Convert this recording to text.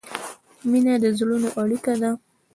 مینه د زړونو اړیکه ده.